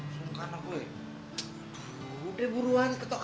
aduh kenapa kamu bergerak